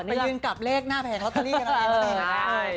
ไปยืนกับเลขหน้าแพร่เค้าตัวนี้กันเลย